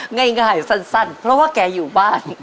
ง่ายสั้นเพราะว่าแกอยู่บ้าน